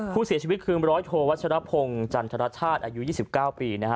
ผู้เสียชีวิตคือร้อยโทวัชรพงศ์จันทรชาติอายุ๒๙ปีนะฮะ